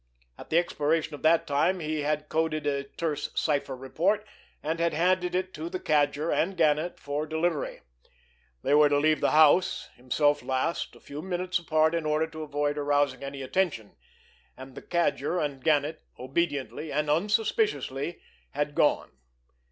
At the expiration of that time he had coded a terse cipher report, and had handed it to the Cadger and Gannet for delivery. They were to leave the house, himself last, a few minutes apart in order to avoid arousing any attention; and the Cadger and Gannet, obediently and unsuspiciously, had gone.